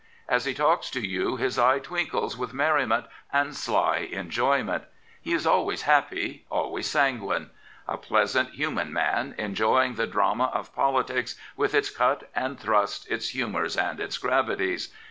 As he talks to you his eye twinkles with merriment and sly enjo 3 mient. BS Prophets, Priests, and Kings He is always happy, always s ang uine. A pleasant, human man, enjoying the drama of politics, with its cut and thrust, its humours and its gravities.